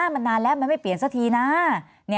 มันนานแล้วมันไม่เปลี่ยนสักทีนะ